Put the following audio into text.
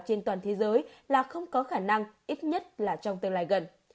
trên toàn thế giới là không có khả năng ít nhất là trong tương lai gần